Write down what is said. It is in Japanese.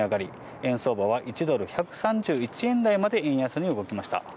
円相場は１ドル１３１円台まで円安に動きました。